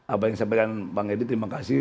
apa yang disampaikan bang edi terima kasih